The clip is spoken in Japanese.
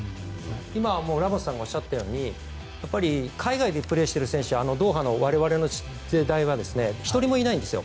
今、ラモスさんがおっしゃったように海外でプレーしている選手ドーハの我々世代は１人もいないんですよ